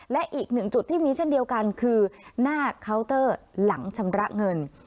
และอีกหนึ่งจุดที่มีเช่นเดียวกันคือหน้าเคาน์เตอร์หลังชำระเงิน